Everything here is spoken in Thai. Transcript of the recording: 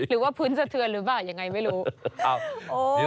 หรือว่าพื้นสะเทือนหรือเปล่ายังไงไม่รู้